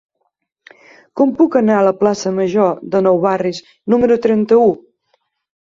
Com puc anar a la plaça Major de Nou Barris número trenta-u?